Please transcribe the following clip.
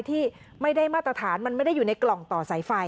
ที่ไม่ได้มาตรฐานมันไม่ได้อยู่ในกล่องต่อสายไฟ